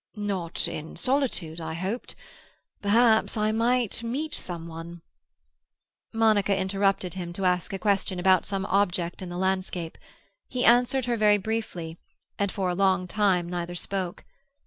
Not in solitude, I hoped. Perhaps I might meet some one—" Monica interrupted him to ask a question about some object in the landscape. He answered her very briefly, and for a long time neither spoke.